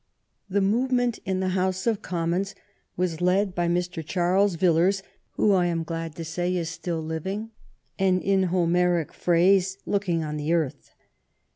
The movement in the Hous^ of Commons was led by Mr. Charles Villiers, who, I am glad to say, is still living and, in Homeric phrase, looking on the earth.